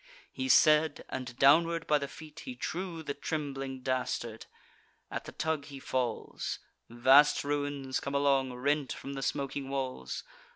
He said, and downward by the feet he drew The trembling dastard; at the tug he falls; Vast ruins come along, rent from the smoking walls.